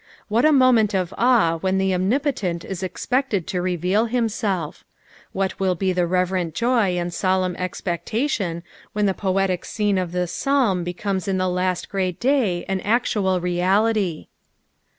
What a moment of awe when the Omnipotent is expected to reveal himself ! What will be the reverent joj and solemn expectation when the poetic scene of this Psalm becomes in the last great day nn actual reality